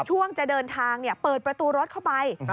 ช่วงจะเดินทางเปิดประตูรถเข้าไป